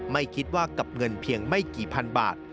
ไม่คิดว่ากับเงินเพียงไม่กี่พันบาท